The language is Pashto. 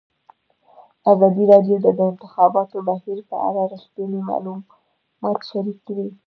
ازادي راډیو د د انتخاباتو بهیر په اړه رښتیني معلومات شریک کړي.